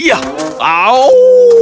aku harus marah